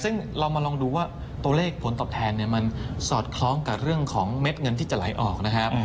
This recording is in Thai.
ซึ่งเรามาลองดูว่าตัวเลขผลตอบแทนเนี่ยมันสอดคล้องกับเรื่องของเม็ดเงินที่จะไหลออกนะครับ